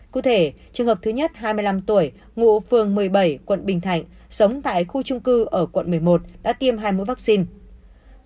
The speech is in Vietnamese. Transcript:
cụ thể trường hợp thứ nhất hai mươi năm tuổi ngụ phường một mươi bảy quận bình thạnh sống tại khu trung cư ở quận một mươi một đã tiêm hai mũi vaccine